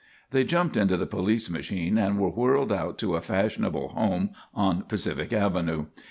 They jumped into the police machine and were whirled out to a fashionable home on Pacific Avenue.